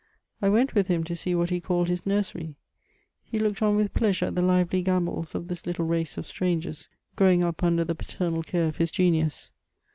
I wmt with him to see what he called kis nursery* He kx^ed oa with pleasure at the fively gambola of thia little zaee ^cf strangers, growing up under the paternal care of his genius.